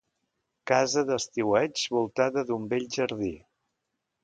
Casa d'estiueig voltada d'un bell jardí.